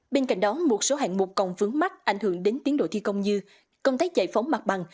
bên cạnh đó một số hạng mục còn vướng mắt ảnh hưởng đến tiến độ thi công như công tác giải phóng mặt bằng